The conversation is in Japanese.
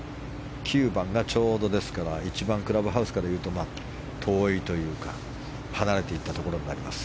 ９番が、ちょうど一番クラブハウスからいうと遠いというか離れていったところになります。